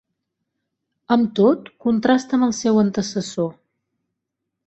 Amb tot contrasta amb el seu antecessor.